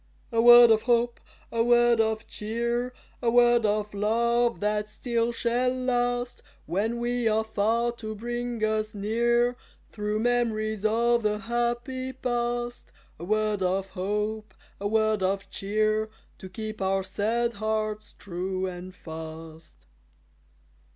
A word of hope, a word of cheer, A word of love, that still shall last, When we are far to bring us near Through memories of the happy past; A word of hope, a word of cheer, To keep our sad hearts true and fast.